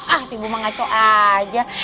ah si ibu mengacau aja